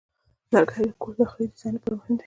لرګی د کور داخلي ډیزاین لپاره مهم دی.